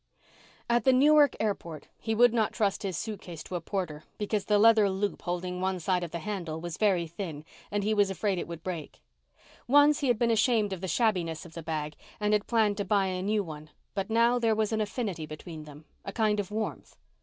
At the Newark Airport he would not trust his suitcase to a porter because the leather loop holding one side of the handle was very thin and he was afraid it would break. Once he had been ashamed of the shabbiness of the bag and had planned to buy a new one, but now there was an affinity between them, a kind of warmth.